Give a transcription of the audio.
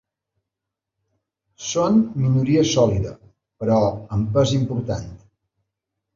Són minoria sòlida però amb pes important.